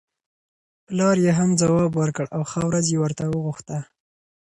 پلار یې هم ځواب ورکړ او ښه ورځ یې ورته وغوښته.